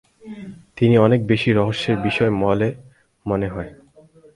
তিনি অনেক বেশি রহস্যের বিষয় বলে মনে হয়।